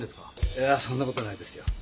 いやそんな事ないですよ。